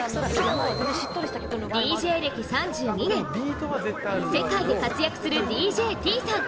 ＤＪ歴３２年、世界で活躍するＤＪＴＥＥさん。